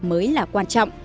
mới là quan trọng